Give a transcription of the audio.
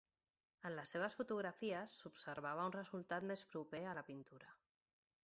En les seves fotografies s'observava un resultat més proper a la pintura.